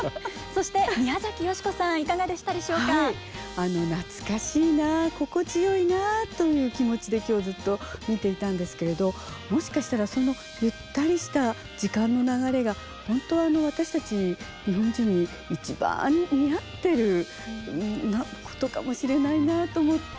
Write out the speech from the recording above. あの懐かしいなあ心地よいなあという気持ちで今日ずっと見ていたんですけれどもしかしたらそのゆったりした時間の流れがホントは私たち日本人に一番よく似合ってることかもしれないなと思って。